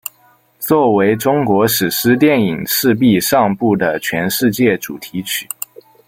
作为中国史诗电影赤壁上部的全世界主题曲。